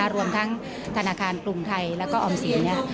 รวมทั้งธนาคารกรุงไทยและการออมศี